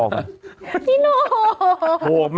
พี่โน้ว